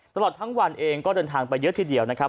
ตลอดทั้งวันเองก็เดินทางไปเยอะทีเดียวนะครับ